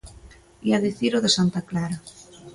Ía dicir o de Santa Clara.